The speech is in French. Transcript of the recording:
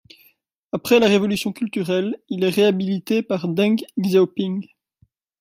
Après la révolution culturelle, il est réhabilité par Deng Xiaoping.